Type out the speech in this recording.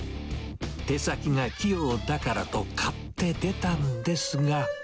手先が器用だからと買って出たんですが。